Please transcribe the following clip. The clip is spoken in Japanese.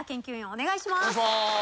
お願いします。